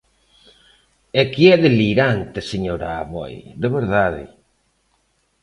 É que é delirante, señora Aboi, de verdade.